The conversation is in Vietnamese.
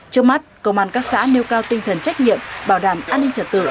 trước mắt công an các xã nêu cao tinh thần trách nhiệm bảo đảm an ninh trật tự